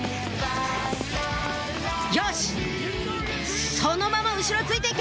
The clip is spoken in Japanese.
よしそのまま後ろついていけ！